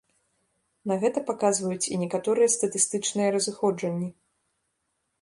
На гэта паказваюць і некаторыя статыстычныя разыходжанні.